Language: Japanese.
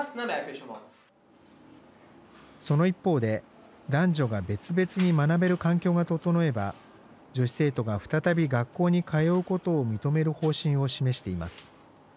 その一方で男女が別々に学べる環境が整えば女子生徒が再び学校に通うことを認める方針を示しています。